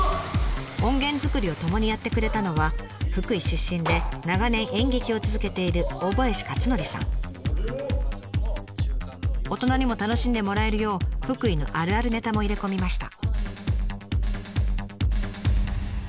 音源作りをともにやってくれたのは福井出身で長年演劇を続けている大人にも楽しんでもらえるよう福井のあるあるネタも入れ込みました。